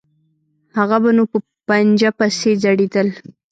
هغه به نو په پنجه پسې ځړېدل.